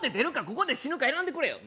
ここで死ぬか選んでくれよ